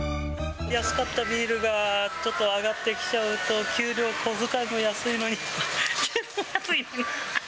安かったビールがちょっと上がってきちゃうと、給料、小遣いも安いのに。